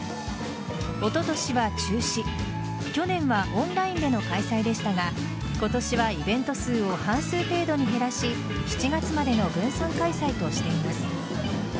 おととしは中止去年はオンラインでの開催でしたが今年はイベント数を半数程度に減らし７月までの分散開催としています。